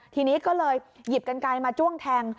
ทีนี้ก็เลยหยิบกันไกลมาจ้วงแทง